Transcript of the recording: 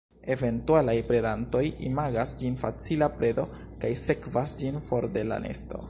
Eventualaj predantoj imagas ĝin facila predo kaj sekvas ĝin for de la nesto.